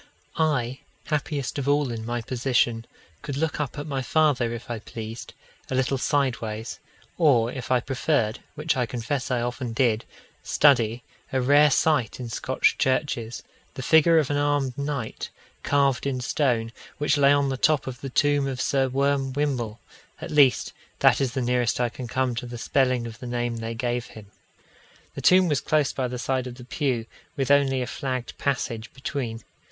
I, happiest of all in my position, could look up at my father, if I pleased, a little sideways; or, if I preferred, which I confess I often did, study a rare sight in Scotch churches the figure of an armed knight, carved in stone, which lay on the top of the tomb of Sir Worm Wymble at least that is the nearest I can come to the spelling of the name they gave him. The tomb was close by the side of the pew, with only a flagged passage between.